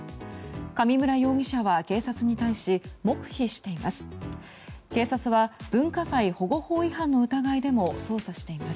上村容疑者は警察に対し黙秘しています。